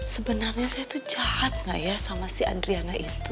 sebenarnya saya tuh jahat gak ya sama si andriana istri